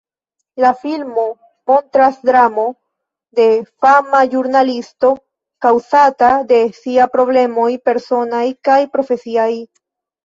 La filmo montras dramo de fama ĵurnalisto kaŭzata de sia problemoj personaj kaj profesiaj.